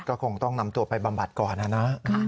ก็คงต้องนำตัวไปบำบัดก่อนนะนะ